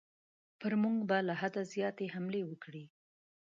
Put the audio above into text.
پر موږ به له حده زیاتې حملې وکړي.